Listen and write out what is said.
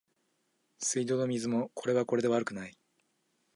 水道の水もこれはこれで悪くない